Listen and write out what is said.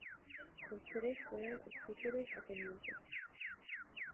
Los tres fueron escultores atenienses.